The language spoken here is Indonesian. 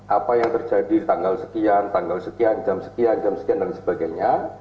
apa yang terjadi tanggal sekian tanggal sekian jam sekian jam sekian dan sebagainya